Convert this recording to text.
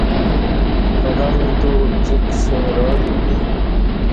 قلم تو اوبجیکی ݜݣرالی بی